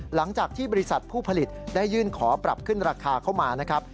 หลังจากที่บริษัทผู้ผลิตได้ยื่นขอปรับขึ้นราคาเข้ามานะครับ